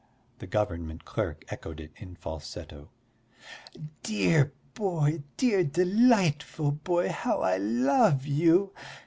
The government clerk echoed it in falsetto. "Dear boy, dear, delightful boy, how I love you!"